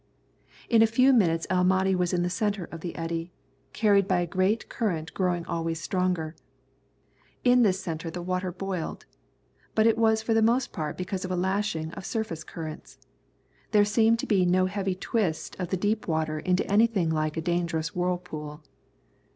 In a few minutes El Mahdi was in the centre of the eddy, carried by a current growing always stronger. In this centre the water boiled, but it was for the most part because of a lashing of surface currents. There seemed to be no heavy twist of the deep water into anything like a dangerous whirlpool.